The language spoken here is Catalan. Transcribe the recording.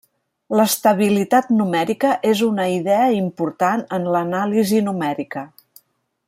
L'estabilitat numèrica és una idea important en l'anàlisi numèrica.